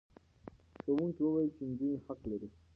ښوونکي وویل چې نجونې حق لري.